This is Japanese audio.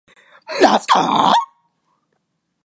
黄山は中国の自然文化遺産である。